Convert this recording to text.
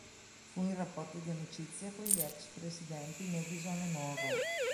Fu in rapporti di amicizia con gli ex presidenti Madison e Monroe.